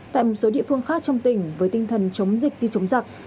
tại một số địa phương khác trong tỉnh với tinh thần chống dịch như chống giặc